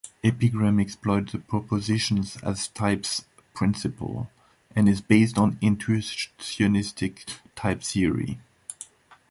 Epigram exploits the propositions as types principle, and is based on intuitionistic type theory.